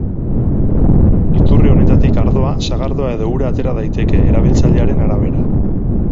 Iturri honetatik ardoa, sagardoa edo ura atera daiteke, erabiltzailearen arabera.